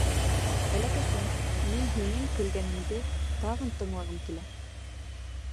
Бәләкәсем, мин һинең көлгәнеңде тағын тыңлағым килә...